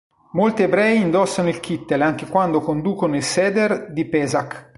Molti ebrei indossano il "kittel" anche quando conducono il Seder di Pesach.